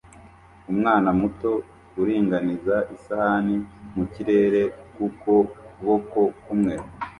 umwana muto uringaniza isahani mu kirere ku kuboko kumwe